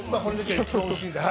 一番おいしいです。